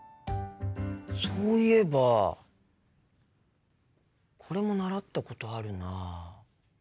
そういえばこれも習ったことあるな。